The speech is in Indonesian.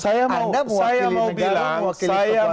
anda mewakili negara saya mewakili kekuasaan